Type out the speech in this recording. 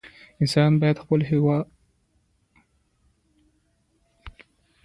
انسان باید خپلو هیلو ته ارزښت ورکړي.